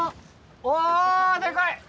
おおでかい！